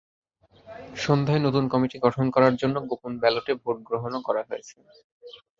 সন্ধ্যায় নতুন কমিটি গঠন করার জন্য গোপন ব্যালটে ভোট গ্রহণও করা হয়েছে।